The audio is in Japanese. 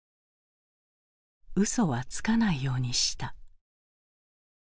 うそはつかないようにした。